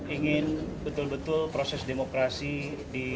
ingin betul betul proses demokrasi di